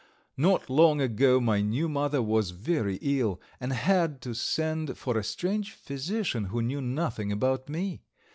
Not long ago my new mother was very ill and had to send for a strange physician, who knew nothing about me.